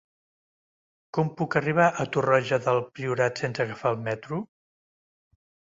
Com puc arribar a Torroja del Priorat sense agafar el metro?